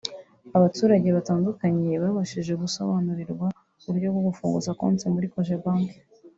abaturage batandukanye babashije gusobanurirwa uburyo bwo gufunguza konti muri Cogebanque